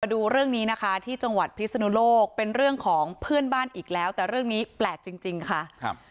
ดูเรื่องนี้นะคะที่จังหวัดพิศนุโลกเป็นเรื่องของเพื่อนบ้านอีกแล้วแต่เรื่องนี้แปลกจริงค่ะครับ